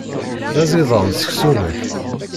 D aẓidan seksu-nnek.